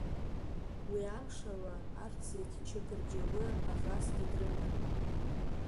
Уи амшала арҭ зегьы Чақырџьалы аӷасгьы дрыман.